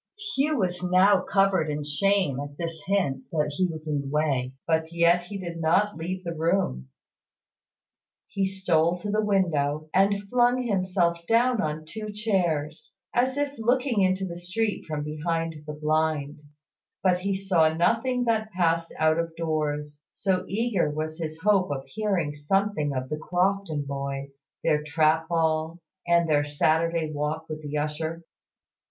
Hugh was now covered with shame at this hint that he was in the way; but yet he did not leave the room. He stole to the window, and flung himself down on two chairs, as if looking into the street from behind the blind; but he saw nothing that passed out of doors, so eager was his hope of hearing something of the Crofton boys, their trap ball, and their Saturday walk with the usher.